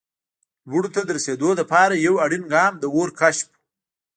لوړو ته د رسېدو لپاره یو اړین ګام د اور کشف و.